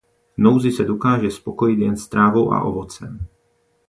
V nouzi se dokáže spokojit jen s trávou a ovocem.